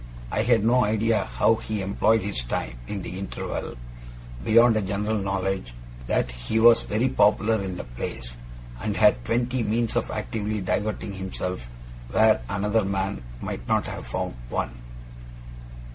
I had no idea how he employed his time in the interval, beyond a general knowledge that he was very popular in the place, and had twenty means of actively diverting himself where another man might not have found one.